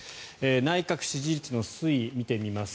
内閣支持率の推移を見てみます。